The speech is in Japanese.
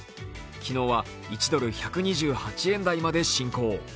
昨日は１ドル＝１２８円台まで進行。